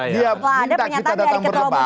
dia minta kita datang berdebat